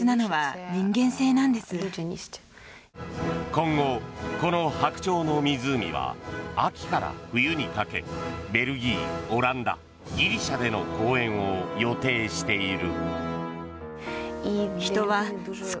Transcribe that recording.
今後、この「白鳥の湖」は秋から冬にかけベルギー、オランダギリシャでの公演を予定している。